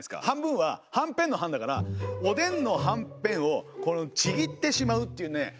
「半分」ははんぺんの「半」だからおでんのはんぺんをちぎってしまうっていうね